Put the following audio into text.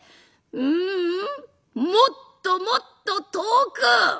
「ううんもっともっと遠く！